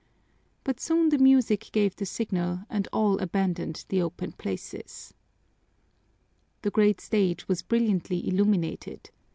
But soon the music gave the signal and all abandoned the open places. The great stage was brilliantly illuminated.